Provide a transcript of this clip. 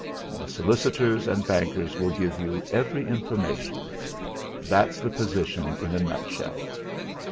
My solicitors and bankers will give you every information. That's the position in a nutshell."